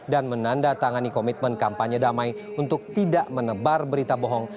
dan menanda tangani komitmen kampanye damai untuk tidak menebar berita bohong